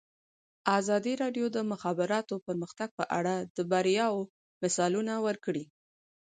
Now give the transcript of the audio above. ازادي راډیو د د مخابراتو پرمختګ په اړه د بریاوو مثالونه ورکړي.